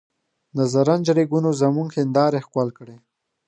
د زرنج ریګونو زموږ هندارې ښکل کړې.